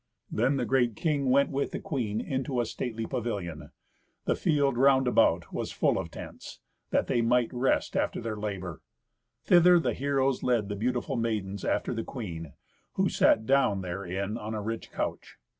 Then the great king went with the queen into a stately pavilion. The field round about was full of tents, that they might rest after their labour. Thither the heroes led the beautiful maidens after the queen, who sat down therein on a rich couch.